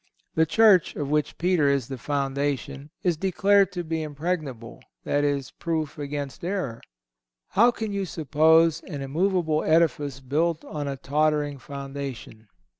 The Church, of which Peter is the foundation, is declared to be impregnable—that is, proof against error. How can you suppose an immovable edifice built on a tottering foundation?